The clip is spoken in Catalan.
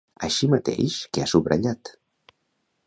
Així mateix, què ha subratllat?